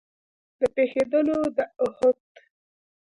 د پېښېدلو د احت